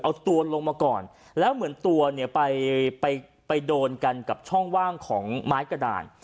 เอาตัวลงมาก่อนแล้วเหมือนตัวเนี่ยไปไปโดนกันกับช่องว่างของไม้กระดาน